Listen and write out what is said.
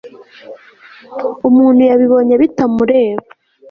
umuntu yabibonye bitamureba